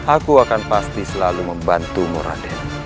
aku akan pasti selalu membantumu raden